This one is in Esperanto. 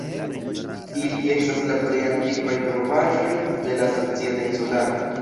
Ili estas la plej antikvaj trovaĵoj de la Societa Insularo.